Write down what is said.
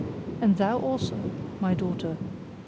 And thou also, O my daughter!"